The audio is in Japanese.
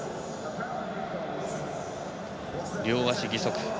両足義足。